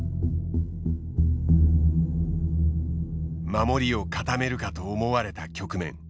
守りを固めるかと思われた局面。